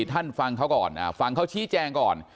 ฟังเขาก่อนฟังเขาชี้แจงก่อน